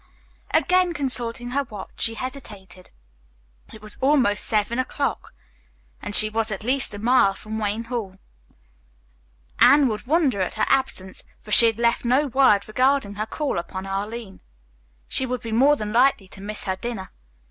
Again consulting her watch, she hesitated. It was almost seven o'clock, and she was at least a mile from Wayne Hall. Anne would wonder at her absence, for she had left no word regarding her call upon Arline. She would be more than likely to miss her dinner.